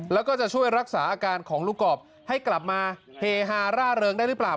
แล้วก็จะช่วยรักษาอาการของลูกกรอบให้กลับมาเฮฮาร่าเริงได้หรือเปล่า